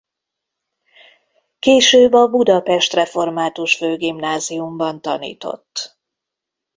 Később a budapest református főgimnáziumban tanított.